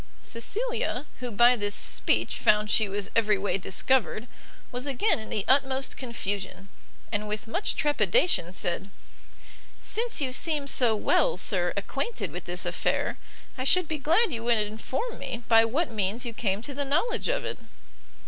Cecilia, who by this speech found she was every way discovered, was again in the utmost confusion, and with much trepidation, said, "since you seem so well, sir, acquainted with this affair, I should be glad you would inform me by what means you came to the knowledge of it?"